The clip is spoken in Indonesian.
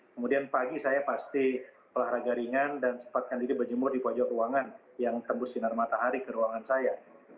kemudian pagi saya pasti olahraga ringan dan sempatkan diri berjemur di pojok ruangan yang tembus sinar matahari ke ruangan saya